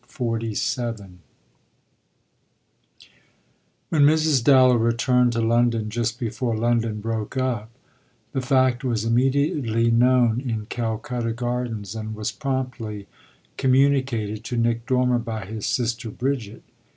BOOK EIGHTH XLVII When Mrs. Dallow returned to London just before London broke up the fact was immediately known in Calcutta Gardens and was promptly communicated to Nick Dormer by his sister Bridget.